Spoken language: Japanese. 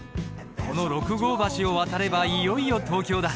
この六郷橋を渡ればいよいよ東京だ。